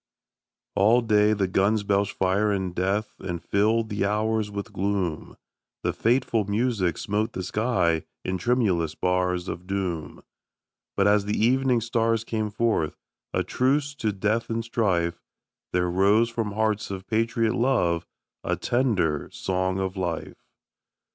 ALL day the guns belched fire and death And filled the hours with gloom; The fateful music smote the sky In tremulous bars of doom ; But as the evening stars came forth A truce to death and strife, There rose from hearts of patriot love A tender song of life.